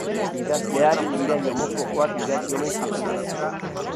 Idazleak irain homofoboak idatzi omen zituen.